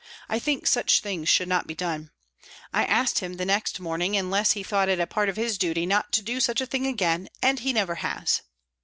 I think such things should not be done. I asked him the next morning, unless he thought it part of his duty, not to do such a thing again, and he never has."